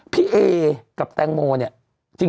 พี่เอกับแตงโมเนี่ย